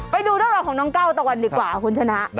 ไปดูด้านหลังของน้องเก้าตวรรณดีกว่าคุณชนะ